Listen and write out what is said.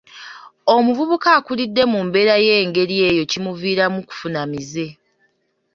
Omuvubuka akulidde mu mbeera ey'engeri eyo kimuviiramu kufuna mize.